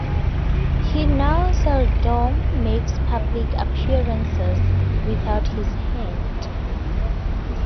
He now seldom makes public appearances without his hat.